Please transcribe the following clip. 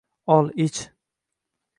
Ol, ich